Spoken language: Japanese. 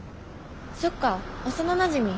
そっか幼なじみ。